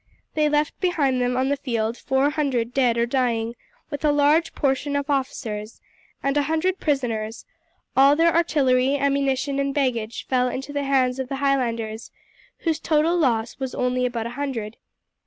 They left behind them on the field four hundred dead or dying, with a large portion of officers, and a hundred prisoners; all their artillery, ammunition, and baggage fell into the hands of the Highlanders, whose total loss was only about a hundred.